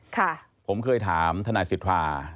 ค่ะผมเคยถามทนายสิทธา